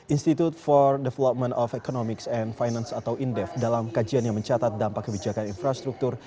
institute for development of economics and finance atau indef dalam kajian yang mencatat dampak kebijakan infrastruktur